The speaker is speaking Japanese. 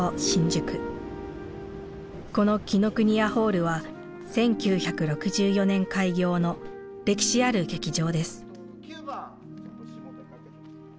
この紀伊國屋ホールは１９６４年開業の歴史ある劇場です。